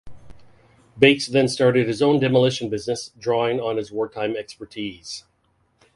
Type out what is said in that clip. Bates then started his own demolition business, drawing on his wartime expertise.